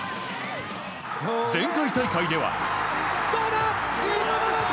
前回大会では。